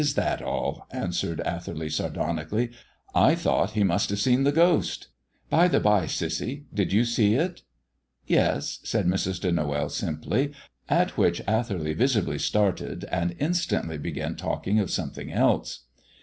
"Is that all?" observed Atherley sardonically; "I thought he must have seen the ghost. By the bye, Cissy, did you see it?" "Yes," said Mrs. de Noël simply, at which Atherley visibly started, and instantly began talking of something else.